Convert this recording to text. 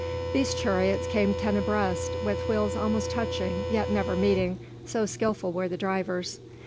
These chariots came ten abreast, with wheels almost touching yet never meeting, so skilful were the drivers.